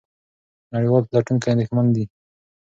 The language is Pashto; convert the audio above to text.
نړیوال پلټونکي اندېښمن دي.